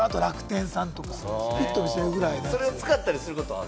それを使ったりすることはある？